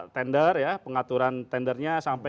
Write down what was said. tender ya pengaturan tendernya